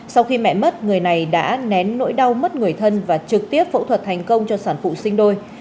sau khi mẹ mất người này đã nén nỗi đau mất người thân và trực tiếp phẫu thuật thành công cho sản phụ sinh đôi